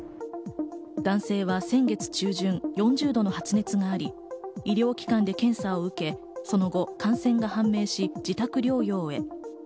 男性は先月中旬、４０度の発熱があり、医療機関で検査を受け、その後、感染が判明し自宅療養へ。